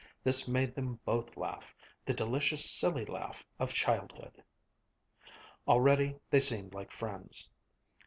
This made them both laugh, the delicious silly laugh of childhood. Already they seemed like friends.